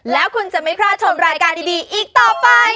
แล้วคุณจะไม่พลาดชมรายการดีอีกต่อไป